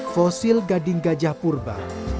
fosil gading gajah purba